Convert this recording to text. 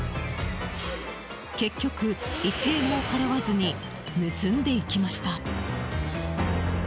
結局、１円も払わずに盗んでいきました。